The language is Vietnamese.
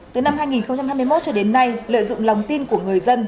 từ năm hai nghìn hai mươi một cho đến nay lợi dụng lòng tin của người dân